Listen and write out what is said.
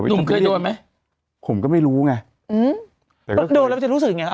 หนุ่มเคยโดนไหมผมก็ไม่รู้ไงอืมโดนแล้วมันจะรู้สึกยังไง